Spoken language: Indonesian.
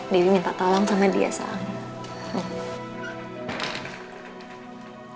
dewi minta tolong sama dia sama